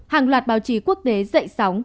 hàng loạt báo chí quốc tế dậy sóng